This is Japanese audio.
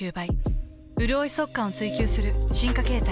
うるおい速乾を追求する進化形態。